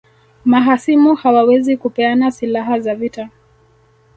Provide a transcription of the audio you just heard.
Mahasimu hawawezi kupeana silaha za vita